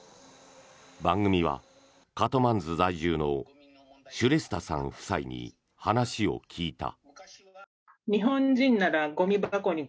番組はカトマンズ在住のシュレスタさん夫妻に話を聞いた。